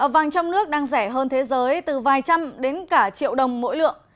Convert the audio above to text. vàng trong nước đang rẻ hơn thế giới từ vài trăm đến cả triệu đồng mỗi lượng